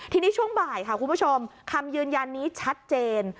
ทีนี้ช่วงบ่ายค่ะคุณผู้ชมคำยืนยันนี้ชัดเจน